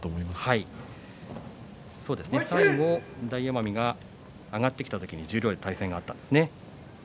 最後大奄美が上がってきた時に十両で対戦があったんですね。